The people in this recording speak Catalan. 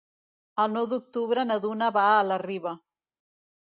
El nou d'octubre na Duna va a la Riba.